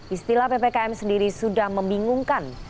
istilah ppkm sendiri sudah membingungkan